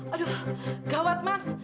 aduh gawat mas